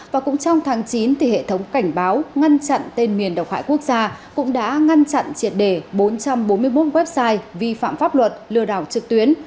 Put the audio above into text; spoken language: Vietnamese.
và cũng trong tháng chín thì hệ thống cảnh báo ngăn chặn tên miền độc hại quốc gia cũng đã ngăn chặn triệt đề bốn trăm bốn mươi một website vi phạm pháp luật lừa đảo trực tuyến